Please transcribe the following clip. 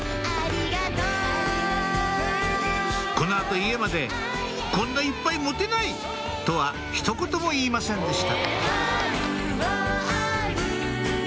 この後家まで「こんないっぱい持てない」とは一言も言いませんでした